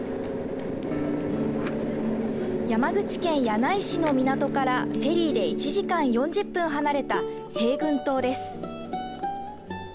山口県柳井市の港からフェリーで１時間４０分離れた平群島です。